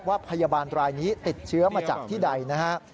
ว่าพยาบาลรายนี้ติดเชื้อมาจากที่ใดนะฮะ